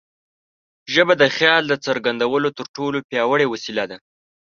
ژبه د خیال د څرګندولو تر ټولو پیاوړې وسیله ده.